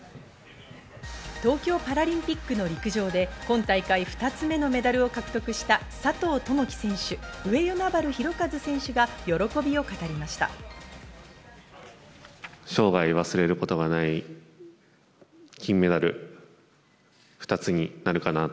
東京パラリンピックの陸上で今大会２つ目のメダルを獲得した佐藤友祈選手、上与那原寛和選手が喜びを語りました。